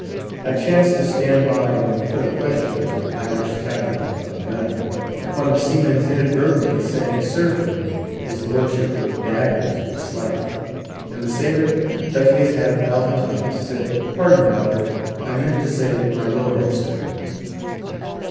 I chanced to stand by when he put a question to an Irish captain of a gum; upon the seaman's inadvertently saying sir to him, his lordship looked daggers at the slight; and the sailor touching his hat a thousand times, said, "Pardon, your honour; I meant to say my lord, sir!"